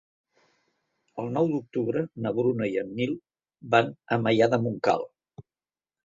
El nou d'octubre na Bruna i en Nil van a Maià de Montcal.